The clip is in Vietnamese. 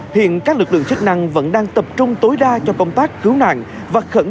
hiện các lực lượng chức năng vẫn đang tập trung tối đa cho công tác cứu nạn